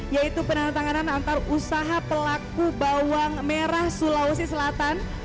yaitu penandatanganan antar usaha pelaku bawang merah sulawesi selatan